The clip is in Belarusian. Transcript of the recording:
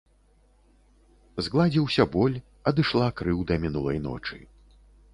Згладзіўся боль, адышла крыўда мінулай ночы.